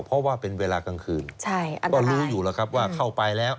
เพราะว่าเป็นเวลากลางคืนก็รู้อยู่แล้วครับว่าเข้าไปแล้ว